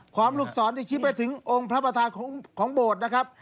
ลูกศรที่ชี้ไปถึงองค์พระประธานของโบสถ์นะครับ